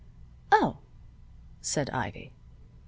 "Oh," said Ivy.